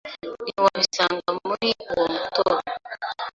ntiwabisanga muri uwo mutobe